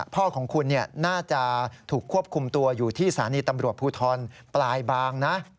พ่อของคุณน่าจะถูกควบคุมตัวอยู่ที่สถานีตำรวจภูทรปลายบางนะ